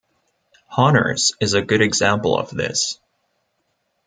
Honners is a good example of this.